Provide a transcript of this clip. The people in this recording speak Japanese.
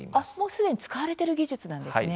すでに使われている技術なんですね。